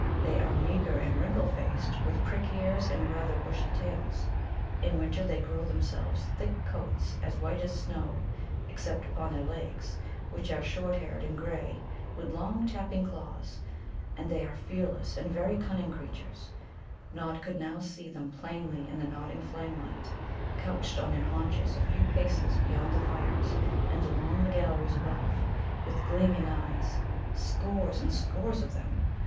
They are meagre and wrinkle faced, with prick ears and rather bushy tails. In winter they grow themselves thick coats as white as snow, except upon their legs, which are short haired and grey, with long tapping claws. And they are fearless and very cunning creatures. Nod could now see them plainly in the nodding flamelight, couched on their haunches a few paces beyond the fires, and along the galleries above, with gleaming eyes, scores and scores of them.